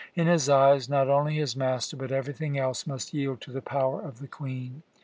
In his eyes, not only his master, but everything else, must yield to the power of the Queen.